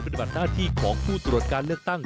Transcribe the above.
ปฏิบัติหน้าที่ของผู้ตรวจการเลือกตั้ง